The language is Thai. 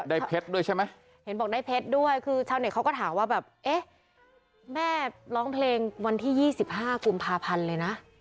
เพชรด้วยใช่ไหมเห็นบอกได้เพชรด้วยคือชาวเน็ตเขาก็ถามว่าแบบเอ๊ะแม่ร้องเพลงวันที่๒๕กุมภาพันธ์เลยนะ